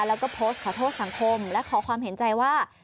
แล้วก็โพสต์ขอโทษสังคมและขอความเห็นใจว่า